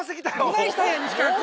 どないしたんや西川君。